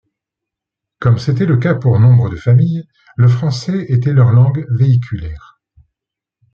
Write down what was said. Comme c'était le cas pour nombre de familles, le français était leur langue véhiculaire.